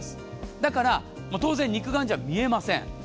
だから、当然肉眼じゃ見えません。